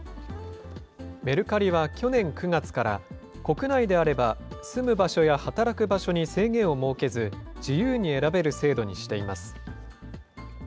メルカリは去年９月から、国内であれば住む場所や働く場所に制限を設けず、自由に選べる制度にしています。